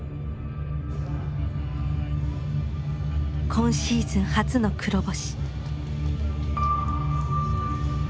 今シーズン初の黒星。